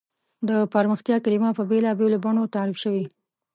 د پرمختیا کلیمه په بېلابېلو بڼو تعریف شوې.